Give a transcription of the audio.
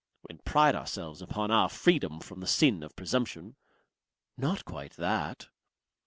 And pride ourselves upon our freedom from the sin of presumption. "Not quite that!"